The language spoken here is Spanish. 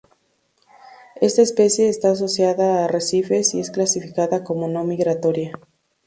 Esta especie está asociada a arrecifes y es clasificada como no migratoria.